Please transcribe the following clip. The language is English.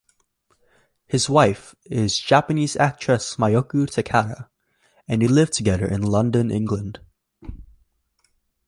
His wife is Japanese actress Mayuko Takata and they live together in London, England.